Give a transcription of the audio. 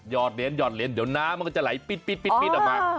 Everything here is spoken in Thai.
ยอดเหลียนเดี๋ยวน้ำมันก็จะไหลปิดออกมา